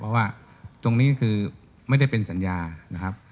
เพราะว่าตรงนี้คือไม่ได้เป็นสัญญานะครับ